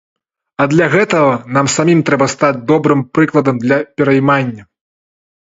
А для гэтага нам самім трэба стаць добрым прыкладам для пераймання.